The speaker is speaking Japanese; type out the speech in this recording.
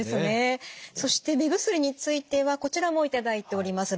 そして目薬についてはこちらも頂いております